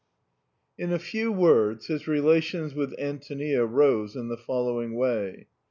In a few words, his relations with Antonia rose in the following way.